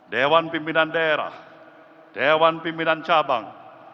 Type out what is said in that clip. dewan pimpinan daerah dewan pimpinan cabang